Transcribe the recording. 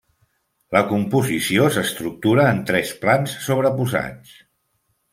La composició s'estructura en tres plans sobreposats.